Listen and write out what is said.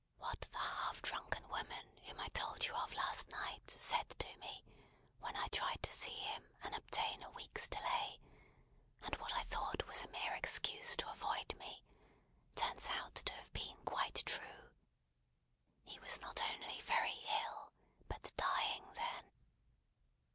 "What the half drunken woman whom I told you of last night, said to me, when I tried to see him and obtain a week's delay; and what I thought was a mere excuse to avoid me; turns out to have been quite true. He was not only very ill, but dying, then."